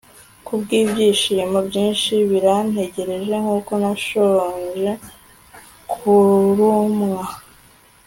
kubwibyishimo byinshi birantegereje, nkuko nashonje kurumwa